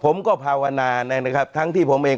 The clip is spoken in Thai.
ภาวนานะครับทั้งที่ผมเอง